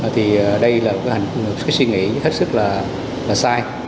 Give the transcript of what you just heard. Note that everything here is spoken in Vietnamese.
thì đây là cái suy nghĩ hết sức là sai